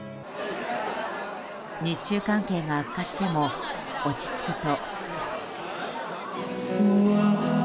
日中関係が悪化しても落ち着くと。